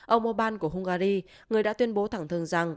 ông obama của hungary người đã tuyên bố thẳng thừng rằng